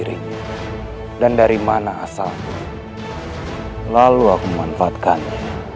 raden kian santang